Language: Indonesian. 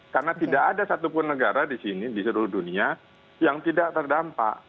karena tidak ada satupun negara di sini di seluruh dunia yang tidak terdampak